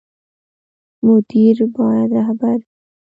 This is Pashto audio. مدیر باید رهبر وي